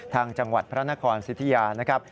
จังหวัดพระนครสิทธิยานะครับ